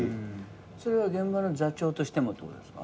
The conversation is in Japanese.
それは現場の座長としてもってことですか？